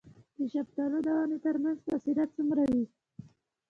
د شفتالو د ونو ترمنځ فاصله څومره وي؟